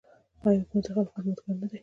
آیا حکومت د خلکو خدمتګار نه دی؟